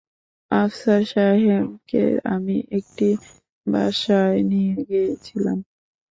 আফসার সাহেবকে আমি একটি বাসায় নিয়ে গিয়েছিলাম।